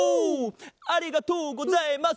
ありがとうございます！